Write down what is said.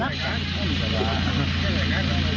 ไม่มีอะไรนะ